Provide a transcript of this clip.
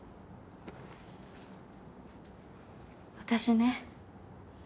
私ね